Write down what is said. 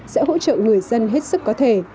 sẽ hỗ trợ người dân hết sức có thể